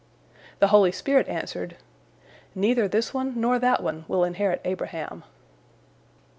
The holy spirit answered, "Neither this one nor that one will inherit Abraham."